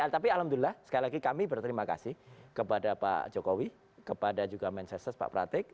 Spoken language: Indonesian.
tapi alhamdulillah sekali lagi kami berterima kasih kepada pak jokowi kepada juga mensesnes pak pratik